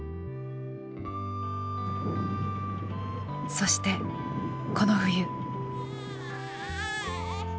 そしてこの冬。